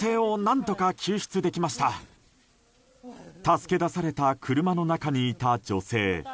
助け出された車の中にいた女性。